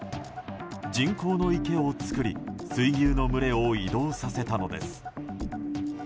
人口の池を作り水牛の群れを移動させたのです。